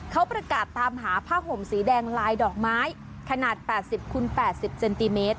เขาประกาศตามหาผ้าห่มสีแดงลายดอกไม้ขนาด๘๐คูณ๘๐เซนติเมตร